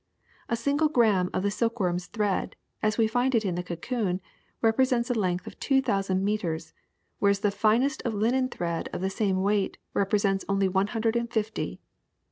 A single gramme of the silkworm's thread, as we find it in the cocoon, repre sents a length of two thousand meters, whereas the finest of linen thread of the same weight represents only one hundred and fifty.